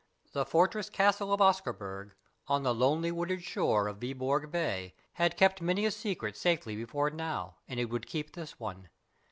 The fortress castle of Oscarburg, on the lonely wooded shore of Viborg Bay, had kept many a secret safely before now, and it would keep this one.